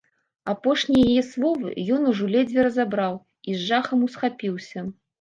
Апошнія яе словы ён ужо ледзьве разабраў і з жахам усхапіўся.